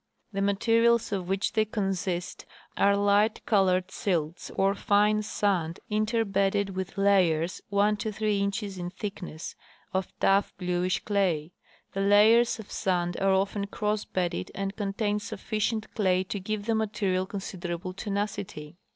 The materials of which they consist are light colored silts or fine sand interbedded with layers, one to three inches in thickness, of tough bluish clay. The layers of sand are often cross bedded and contain sufficient clay to give the material considerable tenacity.